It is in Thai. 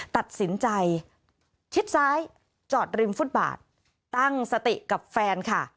ตัดสินใจชิดซ้ายจอดริมฟุตบาทตั้งสติกับแฟนค่ะ